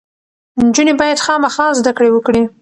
نجونې باید خامخا زده کړې وکړي.